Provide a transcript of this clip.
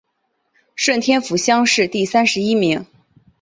顺天府乡试第三十一名。